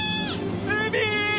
ズビ！